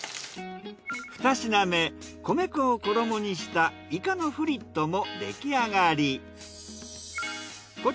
２品目米粉を衣にしたイカのフリットも出来上がり。